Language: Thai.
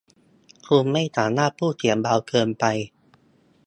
คุณไม่สามารถพูดเสียงเบาเกินไป